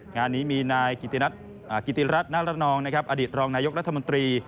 งานนี้มีนายกิติรัฐนารนองอดีตรองนายกรัฐมนตรี